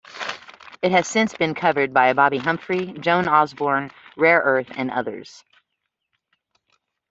It has since been covered by Bobbi Humphrey, Joan Osborne, Rare Earth, and others.